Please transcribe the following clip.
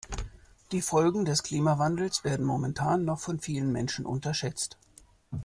Die Folgen des Klimawandels werden momentan noch von vielen Menschen unterschätzt.